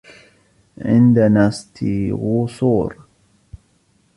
عندنا ستيغوصور.